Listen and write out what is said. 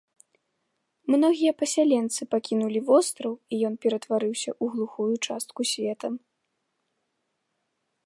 Многія пасяленцы пакінулі востраў, і ён ператварыўся ў глухую частку света.